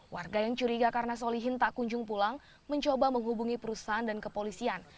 warga yang curiga karena solihin tak kunjung pulang mencoba menghubungi perusahaan dan kepolisian